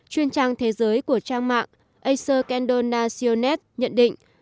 chuyên trang thế giới của trang mạng acer candle nationet nhận định